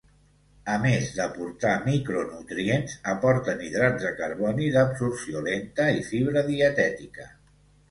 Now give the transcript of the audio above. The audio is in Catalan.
A més d'aportar micronutrients, aporten hidrats de carboni d'absorció lenta i fibra dietètica.